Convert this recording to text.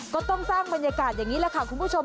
ก็ต้องสร้างบรรยากาศอย่างนี้แหละค่ะคุณผู้ชม